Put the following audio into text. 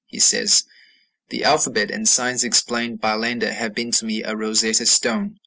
He says, 'the alphabet and signs explained by Landa have been to me a Rosetta stone.'